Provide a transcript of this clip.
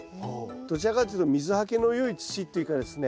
どちらかというと水はけの良い土というかですね